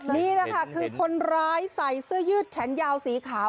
นี่แหละค่ะคือคนร้ายใส่เสื้อยืดแขนยาวสีขาว